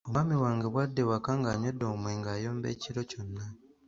Omwami wange bwadda awaka ng'anywedde omwenge ayomba ekiro kyonna.